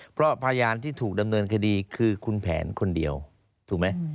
เพราะพยานที่ถูกดำเนินคดีคือคุณแผนคนเดียวถูกไหม